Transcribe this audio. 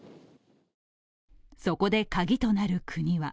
そこでカギとなる国は